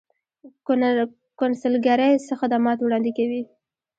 کونسلګرۍ څه خدمات وړاندې کوي؟